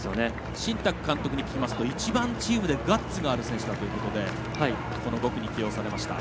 新宅監督に聞きますと一番、チームでガッツがある選手だということで５区に起用されました。